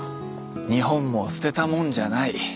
日本も捨てたもんじゃない。